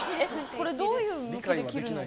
これどういう向きで切るのが。